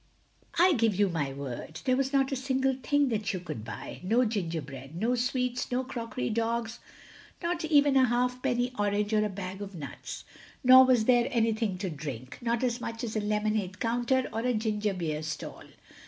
I give you my word, there was not a single thing that you could buy—no gingerbread, no sweets, no crockery dogs, not even a half penny orange or a bag of nuts. Nor was there anything to drink—not as much as a lemonade counter or a ginger beer stall.